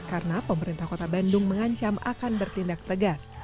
karena pemerintah kota bandung mengancam akan bertindak tegas